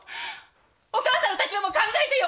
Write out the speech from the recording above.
お母さんの立場も考えてよ！